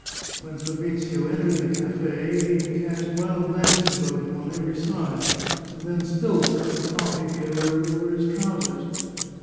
When Fabrizio entered the cafe, he had cast wild glances about him on every side, and then spilled the cup of coflFee he had ordered over his trousers.